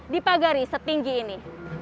terpanggari setinggi ini